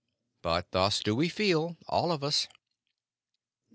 But thus do we feel, all of us."